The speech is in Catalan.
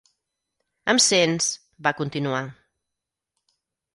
"Em sents?", va continuar.